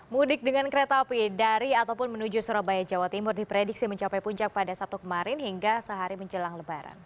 mudik dengan kereta api dari ataupun menuju surabaya jawa timur diprediksi mencapai puncak pada sabtu kemarin hingga sehari menjelang lebaran